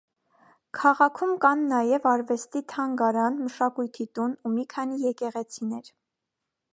Քաղաքում կան նաև արվեստի թանգարան, մշակույթի տուն ու մի քանի եկեղեցիներ։